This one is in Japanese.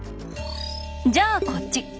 じゃあこっち